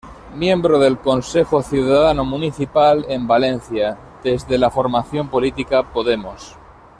Miembro del "Consejo Ciudadano Municipal" en Valencia, desde la formación política "Podemos".